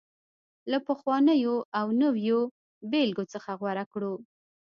له پخوانيو او نویو بېلګو څخه غوره کړو